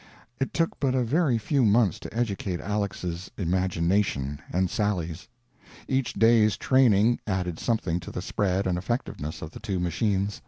It took but a very few months to educate Aleck's imagination and Sally's. Each day's training added something to the spread and effectiveness of the two machines.